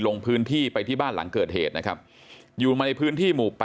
ลงพื้นที่ไปที่บ้านหลังเกิดเหตุนะครับอยู่ในพื้นที่หมู่๘